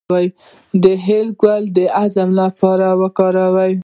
د هل ګل د هضم لپاره وکاروئ